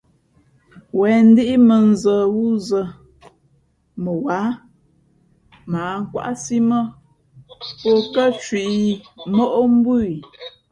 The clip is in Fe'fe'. Wěn ndíʼ mᾱnzᾱ wúzᾱ mα wáha mα ǎ nkwáʼsí mά pó kάcwiʼ moʼ mbú í.